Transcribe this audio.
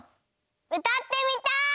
うたってみたい！